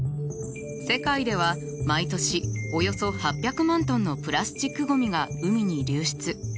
世界では毎年およそ８００万トンのプラスチックゴミが海に流出。